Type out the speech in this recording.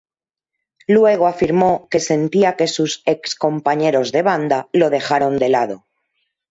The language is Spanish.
Luego afirmó que sentía que sus ex compañeros de banda "lo dejaron de lado".